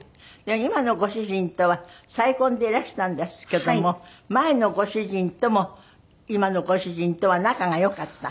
今のご主人とは再婚でいらしたんですけども前のご主人とも今のご主人とは仲が良かった？